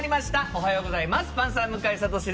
おはようございます。